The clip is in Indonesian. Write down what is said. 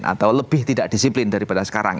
atau lebih tidak disiplin daripada sekarang